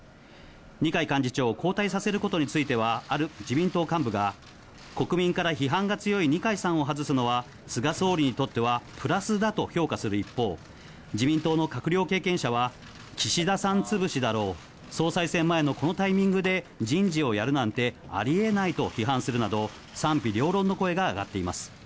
二階幹事長を交代させることについては、ある自民党幹部が、国民から批判が強い二階さんを外すのは、菅総理にとってはプラスだと評価する一方、自民党の閣僚関係者は、岸田さん潰しだろう、総裁選前のこのタイミングで、人事をやるなんてありえないと批判するなど、賛否両論の声が上がっています。